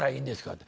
って。